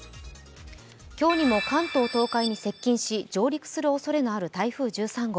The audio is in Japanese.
今日にも関東・東海に接近し上陸するおそれのある台風１３号。